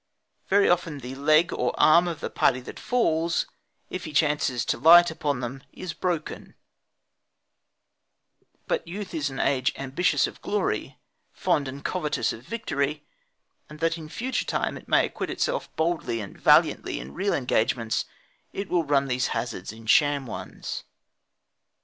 Very often the leg or the arm of the party that falls, if he chances to light upon them, is broken; but youth is an age ambitious of glory, fond and covetous of victory, and that in future time it may acquit itself boldly and valiantly in real engagements, it will run these hazards in sham ones.